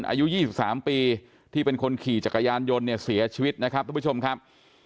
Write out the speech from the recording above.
อายุ๒๓ปีที่เป็นคนขี่จักรยานยนต์เนี่ยเสียชีวิตนะครับทุกผู้ชมครับ